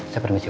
saya permisi bu